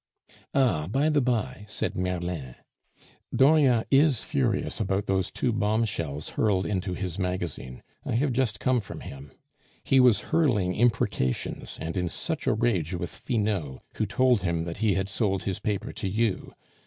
"Ah, by the by," said Merlin, "Dauriat is furious about those two bombshells hurled into his magazine. I have just come from him. He was hurling imprecations, and in such a rage with Finot, who told him that he had sold his paper to you.